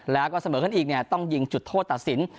แล้วก็เสมอขึ้นอีกต้องยิงจุดโทษตัดสิน